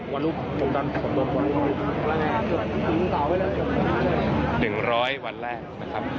๑๐๐วันแรกนะครับ